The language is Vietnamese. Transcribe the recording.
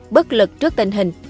bất lực trước tình hình